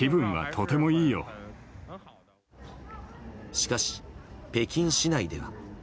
しかし、北京市内では。